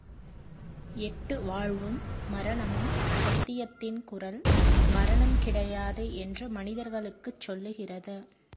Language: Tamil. எட்டு வாழ்வும் மரணமும் சத்தியத்தின் குரல், மரணம் கிடையாது! என்று மனிதர்களுக்குச் சொல்லுகிறது.